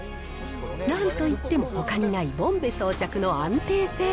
なんといってもほかにないボンベ装着の安定性。